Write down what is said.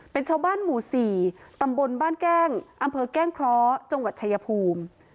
เป็นชาวบ้านหมู่๔ตำบลบ้านแก้งอำเภอแก้งเคราะห์จังหวัดชายภูมิ